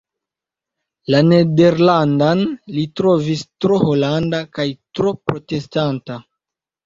La nederlandan li trovis tro holanda kaj tro protestanta.